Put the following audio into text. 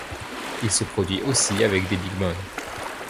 Il se produit aussi avec des big band.